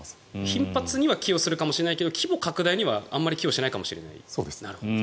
頻発には寄与するかもしれないけど規模拡大にはあまり寄与しないかもしれないと。